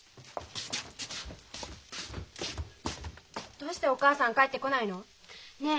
どうしてお母さん帰ってこないの？ねえ？